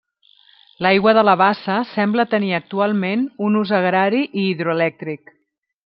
L'aigua de la bassa sembla tenir actualment un ús agrari i hidroelèctric.